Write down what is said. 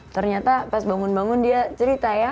ternyata pas bangun bangun dia cerita ya